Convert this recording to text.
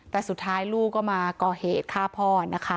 แต่สุดท้ายลูกก็มาก่อเหตุฆ่าพ่อนะคะ